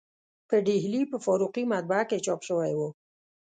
په ډهلي په فاروقي مطبعه کې چاپ شوی و.